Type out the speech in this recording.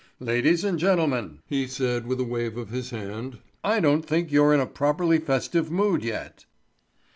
"Ladies and gentlemen," he said, with a wave of his hand, "I don't think you're in a properly festive mood yet."